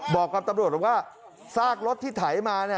บอกกับตำรวจบอกว่าซากรถที่ไถมา